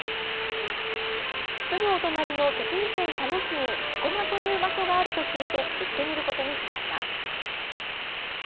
すぐお隣の栃木県佐野市に飛駒という場所があると聞いて行ってみることにしました。